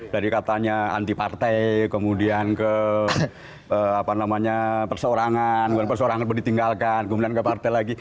dari katanya anti partai kemudian ke perseorangan kemudian perseorangan ditinggalkan kemudian ke partai lagi